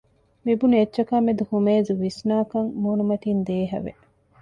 މިބުނި އެއްޗަކާ މެދު ހުމޭޒު ވިސްނާކަން މޫނުމަތިން ދޭހަވެ